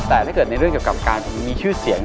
แต่ถ้าเกิดในเรื่องเกี่ยวกับการมีชื่อเสียง